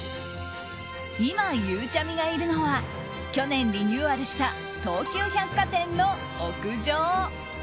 今、ゆうちゃみがいるのは去年リニューアルした東急百貨店の屋上。